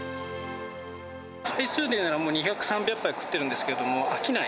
杯数でいうなら２００、３００杯食ってるんですけれども、飽きない。